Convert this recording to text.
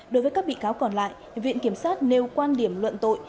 đối với các bị cáo còn lại viện kiểm sát nêu quan điểm luận tội